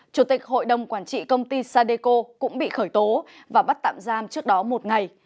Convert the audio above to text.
chủ tịch hội đồng quản trị công ty sadeco cũng bị khởi tố và bắt tạm giam trước đó một ngày